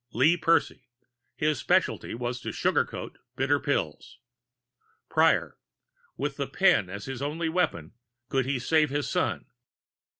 LEE PERCY His specialty was sugarcoating bitter pills. PRIOR With the pen as his only weapon, could he save his son?